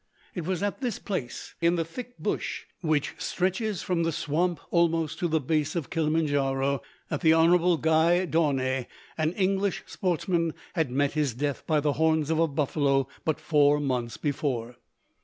It was at this place, in the thick bush which stretches from the swamp almost to the base of Kilimanjaro, that the Hon. Guy Dawnay, an English sportsman, had met his death by the horns of a buffalo but four months before.